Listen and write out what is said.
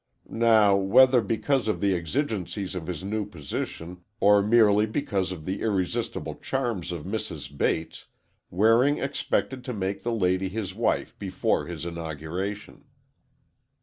Now, whether because of the exigencies of his new position, or merely because of the irresistible charms of Mrs. Bates, Waring expected to make the lady his wife before his inauguration.